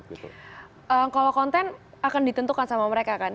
kalau konten akan ditentukan sama mereka kan